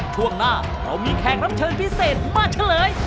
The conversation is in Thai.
ช่วงหน้าเรามีแขกรับเชิญพิเศษมาเฉลย